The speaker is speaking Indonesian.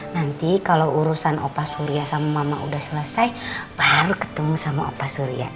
nanti kalau urusan opa surya sama mama udah selesai baru ketemu sama opa surya